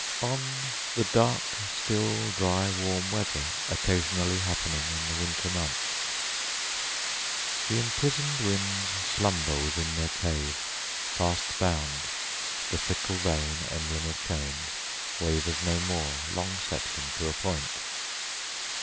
ON THE DARK, STILL, DRY, WARM WEATHER. OCCASIONALLY HAPPENING IN THE WINTER MONTHS. Th' imprison'd winds slumber within their caves, Fast bound: the fickle vane, emblem of change, Wavers no more, long settling to a point.